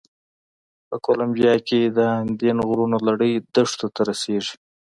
په کولمبیا کې د اندین غرونو لړۍ دښتو ته رسېږي.